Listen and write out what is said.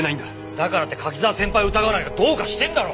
だからって柿沢先輩を疑うなんてどうかしてんだろ！